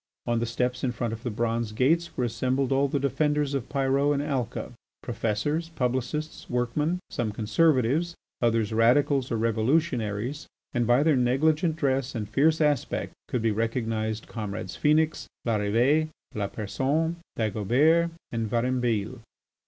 On the steps in front of the bronze gates were assembled all the defenders of Pyrot in Alca, professors, publicists, workmen, some conservatives, others Radicals or Revolutionaries, and by their negligent dress and fierce aspect could be recognised comrades Phœnix, Larrivée, Lapersonne, Dagobert, and Varambille.